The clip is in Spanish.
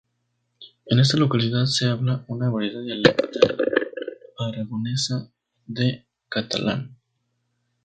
En esta localidad se habla una variedad dialectal aragonesa del catalán.